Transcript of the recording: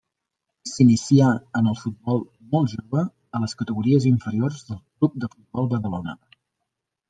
S'inicià en el futbol molt jove a les categories inferiors del Club de Futbol Badalona.